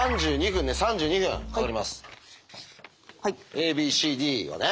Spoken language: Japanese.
ＡＢＣＤはね。